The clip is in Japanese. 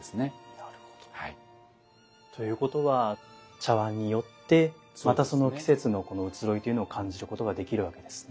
なるほど。ということは茶碗によってまたその季節の移ろいというのを感じることができるわけですね。